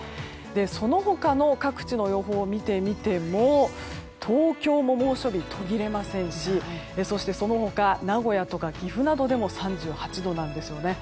その他の各地の予報を見てみても東京も猛暑日が途切れませんしそして、その他名古屋とか岐阜などでも３８度なんですよね。